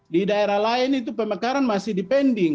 di daerah lain itu pemekaran masih dipending